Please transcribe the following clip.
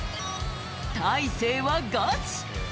大勢はガチ。